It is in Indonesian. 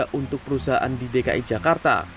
harga untuk perusahaan di dki jakarta